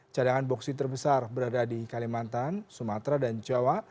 cadangan boksit terbesar berada di kalimantan sumatera dan jawa